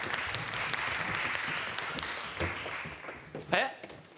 えっ？